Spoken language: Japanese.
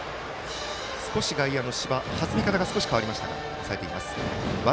外野の芝弾み方が変わりましたが抑えています。